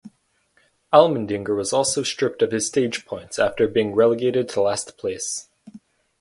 Allmendinger was also stripped of his stage points after being relegated to last place.